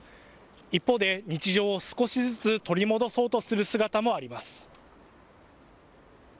一方で、日常を少しずつ取り戻そうとする姿もあります。